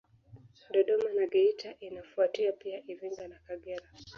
Dodoma na Geita inafuatia pia Iringa na Kagera